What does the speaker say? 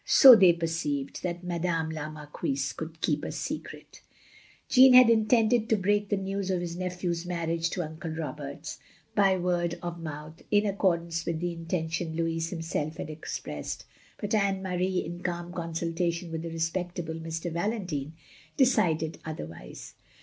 So they perceived that Madame la Marquise could keep a secret. OF GROSVENOR SQUARE 371 Jeanne had intended to break the news of his nephew's marriage to Uncle Roberts, by word of mouth, in accordance with the intention Louis himself had expressed; but Anne Marie, in calm consultation with the respectable M. Valentine, decided otherwise.